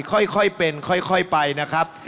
ค่อยเป็นค่อยไปนะครับ